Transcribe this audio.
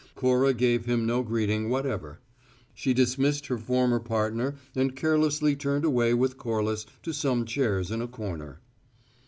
Cora gave him no greeting whatever; she dismissed her former partner and carelessly turned away with Corliss to some chairs in a corner.